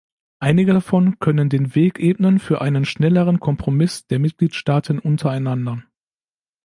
Einige davon können den Weg ebnen für einen schnelleren Kompromiss der Mitgliedstaaten untereinander.